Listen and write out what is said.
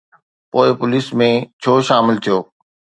پوءِ پوليس ۾ ڇو شامل ٿيو؟